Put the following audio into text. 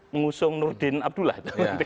mengusung nurdin abdullah